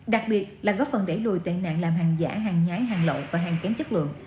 đặc biệt là góp phần đẩy lùi tệ nạn làm hàng giả hàng nhái hàng lậu và hàng kém chất lượng